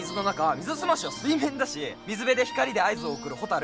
ミズスマシは水面だし水辺で光で合図を送るホタル